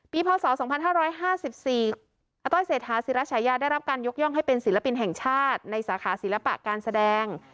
พศ๒๕๕๔อาต้อยเศรษฐาศิรัชญาได้รับการยกย่องให้เป็นศิลปินแห่งชาติในสาขาศิลปะการแสดง